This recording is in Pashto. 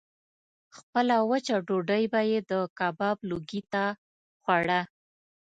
خپله وچه ډوډۍ به یې د کباب لوګي ته خوړه.